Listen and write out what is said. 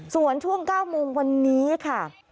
ส่วนช่วง๙โมงวันนี้ค่ะ